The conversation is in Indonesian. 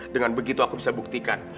dengan begitu aku bisa buktikan